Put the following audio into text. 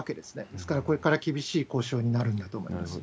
ですから、これから厳しい交渉になるんだと思います。